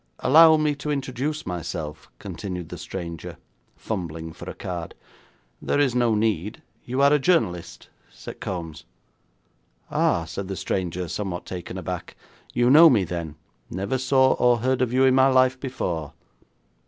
'Allow me to introduce myself,' continued the stranger, fumbling for a card. 'There is no need. You are a journalist,' said Kombs. 'Ah,' said the stranger, somewhat taken aback, 'you know me, then.' 'Never saw or heard of you in my life before.'